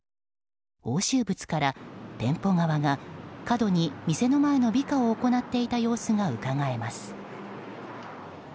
押収物から店舗側が過度に店の前の美化を行っていた様子がうかがえます。